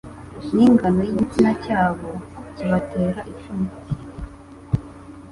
n'ingano y'igitsina cyabo kibatera ipfunwe